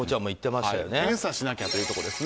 検査しなきゃというところですね。